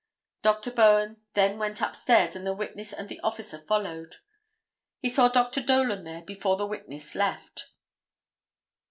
Dr. Bowen then went upstairs and the witness and the officer followed. He saw Dr. Dolan there before the witness left.